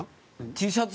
Ｔシャツ